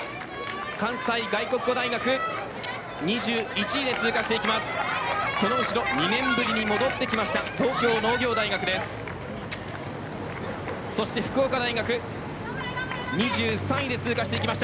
関西外国語大学２１位で通過していきます。